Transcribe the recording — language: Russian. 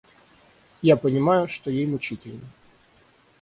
Я понимаю, что ей мучительно.